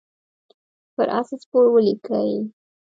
پر آس سپور ولیکئ.